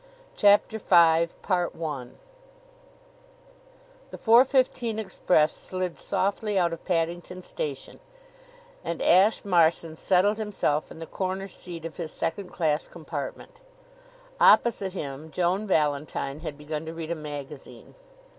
CHAPTER V The four fifteen express slid softly out of Paddington Station and Ashe Marson settled himself in the corner seat of his second class compartment. Opposite him Joan Valentine had begun to read a magazine.